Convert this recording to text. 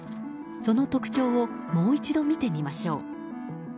その特徴をもう一度見てみましょう。